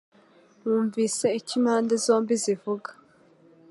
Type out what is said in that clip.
wunvise icyo impande zombi zivuga